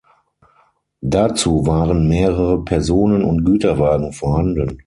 Dazu waren mehrere Personen- und Güterwagen vorhanden.